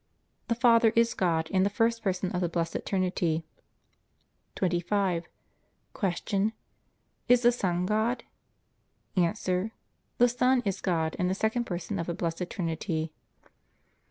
The Father is God and the first Person of the Blessed Trinity. 25. Q. Is the Son God? A. The Son is God and the second Person of the Blessed Trinity.